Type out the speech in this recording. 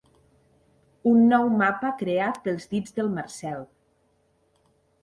Un nou mapa creat pels dits del Marcel.